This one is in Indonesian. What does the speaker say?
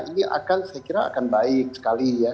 ini akan saya kira akan baik sekali ya